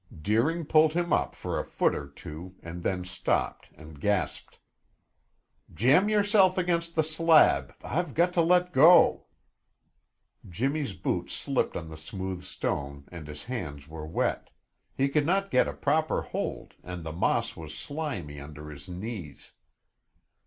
Deering pulled him up for a foot or two, and then stopped and gasped. "Jamb yourself against the slab; I've got to let go." Jimmy's boots slipped on the smooth stone and his hands were wet; he could not get a proper hold and the moss was slimy under his knees.